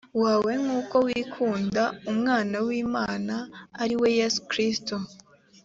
wawe nk uko wikunda umwana w imana ari we yesu kristo